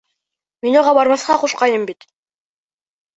Мин уға бармаҫҡа ҡушҡайным бит!